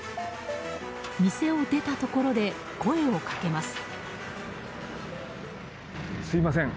店を出たところで声をかけます。